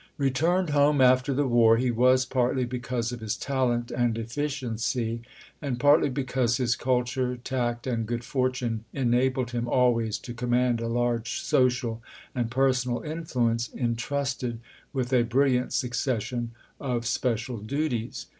Returned home after the war, he was, partly because of his talent and efficiency, and partly because his culture, tact, and good fortune enabled him always to com mand a large social and personal influence, in trusted with a brilliant succession of special duties.